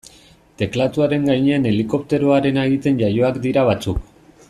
Teklatuaren gainean helikopteroarena egiten jaioak dira batzuk.